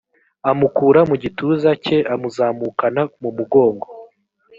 amukura mu gituza cye amuzamukana mu mugongo